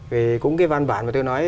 vì cũng cái văn bản mà tôi nói